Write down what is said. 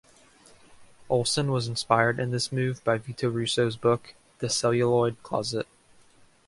Olson was inspired in this move by Vito Russo's book, "The Celluloid Closet".